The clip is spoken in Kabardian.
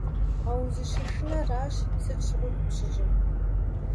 А узыщышынэращ сыт щыгъуи къыпщыщӀыр.